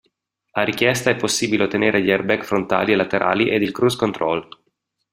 A richiesta è possibile ottenere gli airbag frontali e laterali ed il cruise control.